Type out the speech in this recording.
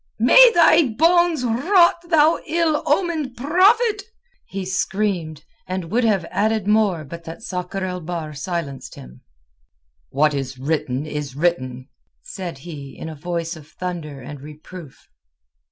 "May thy bones rot, thou ill omened prophet!" he screamed, and would have added more but that Sakr el Bahr silenced him. "What is written is written!" said he in a voice of thunder and reproof.